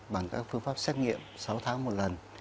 bằng các phương pháp xét nghiệm sáu tháng một lần